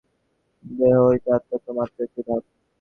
দেহ হইতে আত্মা তো মাত্র একটি ধাপ।